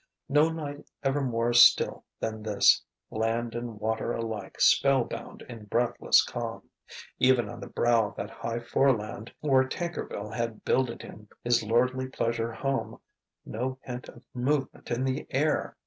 No night ever more still than this: land and water alike spellbound in breathless calm; even on the brow of that high foreland where Tankerville had builded him his lordly pleasure home, no hint of movement in the air!